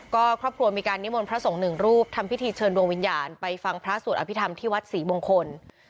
ก็ครอบครัวมีการนิมนต์พระสงฆ์หนึ่งรูปทำพิธีเชิญดวงวิญญาณไปฟังพระสวดอภิษฐรรมที่วัดศรีมงคล